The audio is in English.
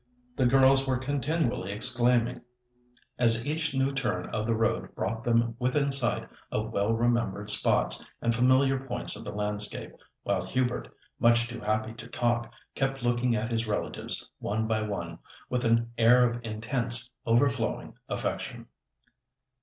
The girls were continually exclaiming, as each new turn of the road brought them within sight of well remembered spots and familiar points of the landscape, while Hubert, much too happy to talk, kept looking at his relatives, one by one, with an air of intense, overflowing affection.